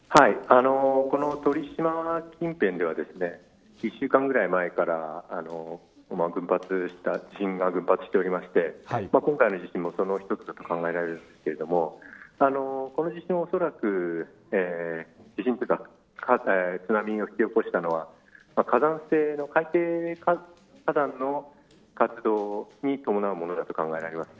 この鳥島近辺では１週間ぐらい前から地震が群発していまして今回もそのうちの一つと考えられますが今回、津波を引き起こしたのは火山性の海底火山の活動に伴うものだと考えられます。